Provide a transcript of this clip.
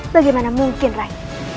bagaimana mungkin rai